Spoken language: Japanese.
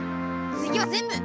つぎは全部！